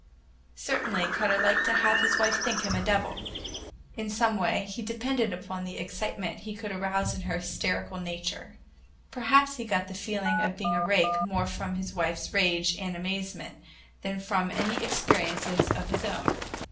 Certainly Cutter liked to have his wife think him a devil. In some way he depended upon the excitement he could arouse in her hysterical nature. Perhaps he got the feeling of being a rake more from his wife's rage and amazement than from any experiences of his own.